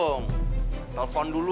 iya dong telepon dulu